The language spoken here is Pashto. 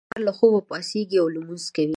الیاس سهار له خوبه پاڅېږي او لمونځ کوي